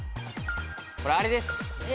これ、あれです。